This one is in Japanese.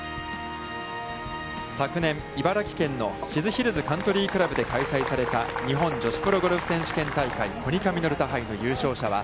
昨年、茨城県の静ヒルズカントリークラブで開催された日本女子プロゴルフ選手権大会コニカミノルタ杯の優勝者は